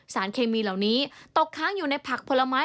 สารเคมีเหล่านี้ตกค้างอยู่ในผักผลไม้